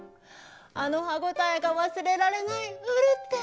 あの歯応えが忘れられないウルテ。